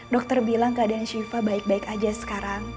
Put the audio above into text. dokter bilang keadaan syifa baik baik aja sekarang